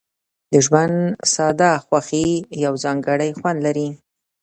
د ژوند ساده خوښۍ یو ځانګړی خوند لري.